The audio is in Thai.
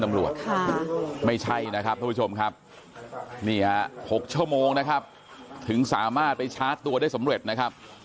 ไม่ใช่นะครับทุกผู้ชมครับนี่ฮะ๖ชั่วโมงนะครับถึงสามารถไปชาร์จตัวได้สำเร็จนะครับ